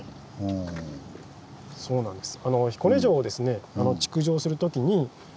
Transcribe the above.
そうなんです。